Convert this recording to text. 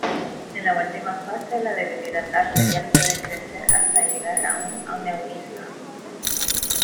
En la última fase, la debilidad arterial puede crecer hasta llegar a un aneurisma.